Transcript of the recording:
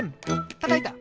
たたいた！